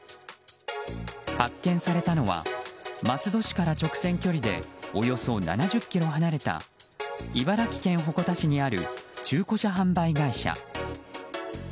発見されたのは松戸市から直線距離でおよそ７０ｋｍ離れた茨城県鉾田市にある中古車販売会社。